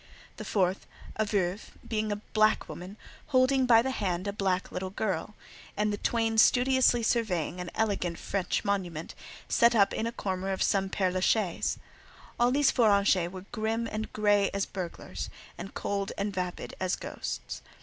The fourth, a "Veuve," being a black woman, holding by the hand a black little girl, and the twain studiously surveying an elegant French monument, set up in a corner of some Père la Chaise. All these four "Anges" were grim and grey as burglars, and cold and vapid as ghosts.